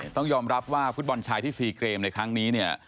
ต้องยอมรับว่าฟุตบอลชายที่๔เกมในครั้งนี้เนี่ย